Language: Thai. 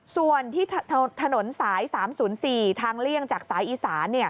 ส่วนที่ถนนสาย๓๐๔ทางเลี่ยงจากสายอีสาน